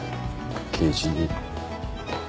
刑事に。